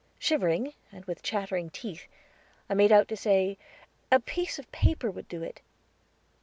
Shivering, and with chattering teeth, I made out to say, "A piece of paper would do it."